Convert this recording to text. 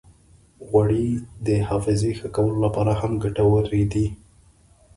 غوړې د حافظې ښه کولو لپاره هم ګټورې دي.